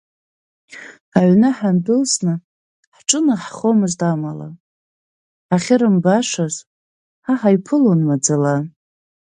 Аҩны ҳдәылҵны ҳҿынаҳхомызт амала, ҳахьырымбашаз ҳа ҳаиԥылон маӡала.